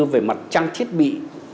về mặt trang thiết bị